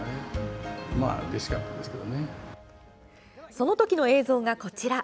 その時の映像がこちら。